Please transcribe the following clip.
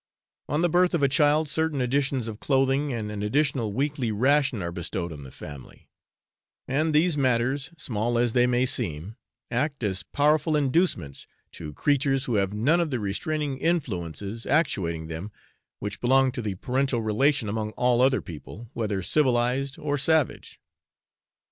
On the birth of a child certain additions of clothing and an additional weekly ration are bestowed on the family; and these matters, small as they may seem, act as powerful inducements to creatures who have none of the restraining influences actuating them which belong to the parental relation among all other people, whether civilised or savage.